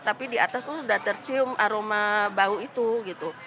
tapi di atas itu sudah tercium aroma bau itu gitu